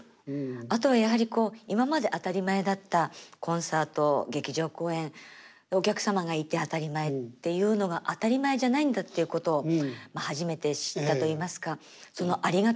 あとはやはりこう今まで当たり前だったコンサート劇場公演お客様がいて当たり前っていうのが当たり前じゃないんだっていうことを初めて知ったといいますかそのありがたさですよね。